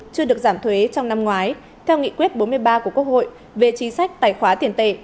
chưa được giảm thuế trong năm ngoái theo nghị quyết bốn mươi ba của quốc hội về chính sách tài khóa tiền tệ